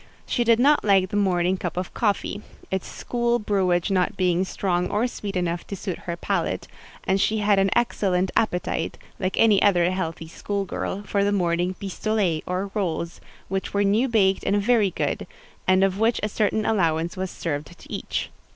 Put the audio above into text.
She did not like the morning cup of coffee; its school brewage not being strong or sweet enough to suit her palate; and she had an excellent appetite, like any other healthy school girl, for the morning pistolets or rolls, which were new baked and very good, and of which a certain allowance was served to each.